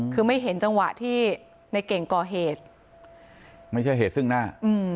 คือไม่เห็นจังหวะที่ในเก่งก่อเหตุไม่ใช่เหตุซึ่งหน้า